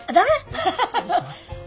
ハハハハあ。